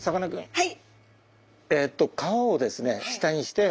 はい。